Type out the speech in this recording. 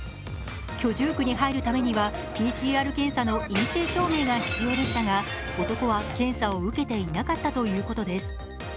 居住区に入るためにはＰＣＲ検査の陰性証明が必要でしたが男は検査を受けていなかったということです。